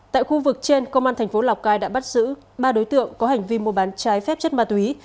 tại khu vực trên công an thành phố lào cai đã bắt giữ ba đối tượng có hành vi mua bán trái phép chất ma túy